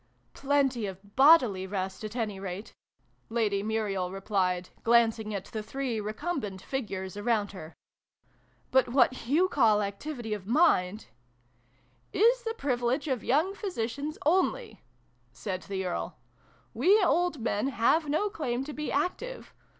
" Plenty of bodily rest, at any rate !" Lady Muriel replied, glancing at the three recum bent figures around her. " But what you call activity of mind "" is the privilege of young Physicians only I' said the Earl. " We old men have no claim to be active